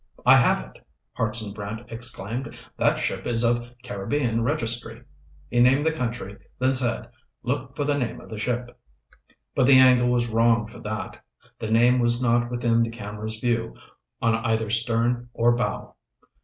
"I have it," Hartson Brant exclaimed. "That ship is of Caribbean registry." He named the country, then said, "Look for the name of the ship." But the angle was wrong for that. The name was not within the camera's view, on either stern or bow.